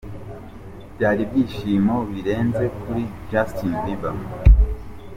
Byari ibyishimo birenze kuri Justin Bieber.